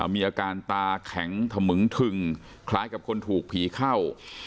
มีอาการตาแข็งถมึงทึงคล้ายกับคนถูกผีเข้า